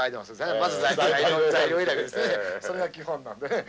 それが基本なんで。